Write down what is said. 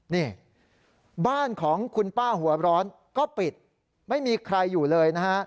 นี่บ้านของคุณป้าหัวร้อนก็ปิดไม่มีใครอยู่เลยนะฮะ